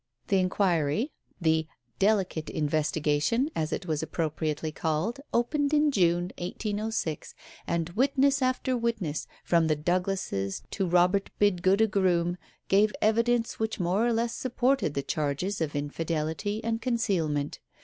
The inquiry the "Delicate Investigation" as it was appropriately called opened in June, 1806, and witness after witness, from the Douglases to Robert Bidgood, a groom, gave evidence which more or less supported the charges of infidelity and concealment.